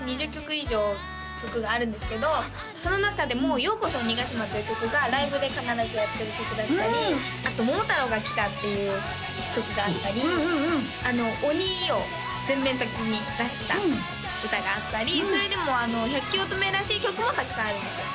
以上曲があるんですけどその中でも「ようこそ鬼ヶ島」という曲がライブで必ずやってる曲だったりあと「桃太郎が来た！」っていう曲があったり鬼を全面的に出した歌があったりそれでも百鬼乙女らしい曲もたくさんあるんですよ